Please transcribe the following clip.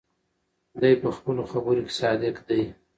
دی په خپلو خبرو کې صادق دی.